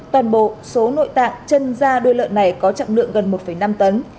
toàn bộ số nội tạng chân ra đuôi lợn này có trọng lượng gần một năm tấn